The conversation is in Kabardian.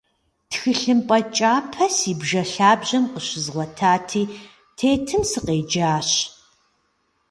Тхылъымпӏэ кӏапэ си бжэ лъабжьэм къыщызгъуэтати, тетым сыкъеджащ.